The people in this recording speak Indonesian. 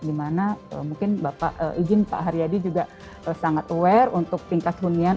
dimana mungkin bapak izin pak haryadi juga sangat aware untuk tingkat hunian